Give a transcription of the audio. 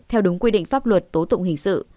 theo đúng quy định pháp luật tố tụng hình sự